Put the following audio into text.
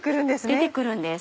出て来るんです。